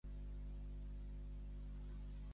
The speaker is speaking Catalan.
La capital de la província era Haeju.